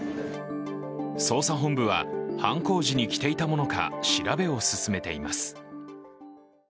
捜査本部は犯行時に着ていたものか調べを進めています。